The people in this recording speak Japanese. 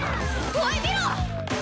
おい見ろ！